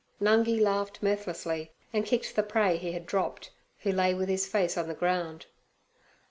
Nungi laughed mirthlessly, and kicked the prey he had dropped, who lay with his face on the ground.